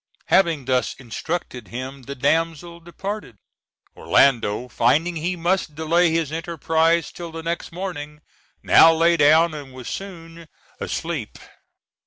Having thus instructed him, the damsel departed. Orlando, finding he must delay his enterprise till the next morning, now lay down and was soon asleep.